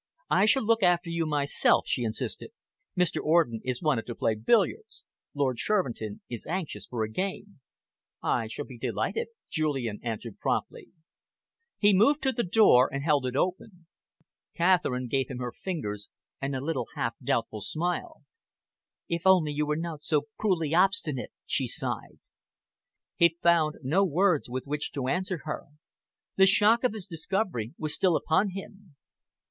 "I shall look after you myself," she insisted. "Mr. Orden is wanted to play billiards. Lord Shervinton is anxious for a game." "I shall be delighted," Julian answered promptly. He moved to the door and held it open. Catherine gave him her fingers and a little half doubtful smile. "If only you were not so cruelly obstinate!" she sighed. He found no words with which to answer her. The shock of his discovery was still upon him.